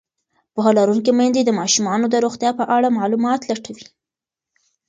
پوهه لرونکې میندې د ماشومانو د روغتیا په اړه معلومات لټوي.